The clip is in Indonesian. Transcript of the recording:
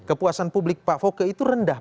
kepuasan publik pak foke itu rendah